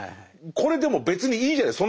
これでも別にいいじゃない。